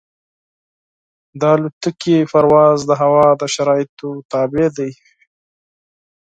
د طیارې پرواز د هوا د شرایطو تابع دی.